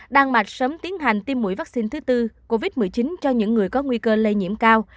đan mạch sớm tiến hành tiêm mũi vắc xin thứ bốn covid một mươi chín cho những người có nguy cơ lây nhiễm cao